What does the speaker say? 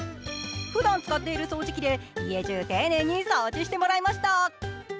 ふだん使っている掃除機で家じゅう丁寧に掃除してもらいました。